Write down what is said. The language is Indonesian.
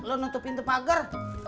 lo nutup pintu pagar